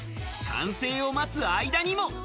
完成を待つ間にも。